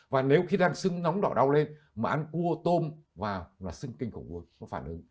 và nếu khi đang sưng nóng đậu đau lên mà ăn cua tôm vào là sưng kinh khủng luôn có phản ứng